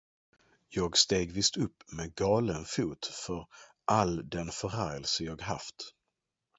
Jag steg visst upp med galen fot för all den förargelse jag haft.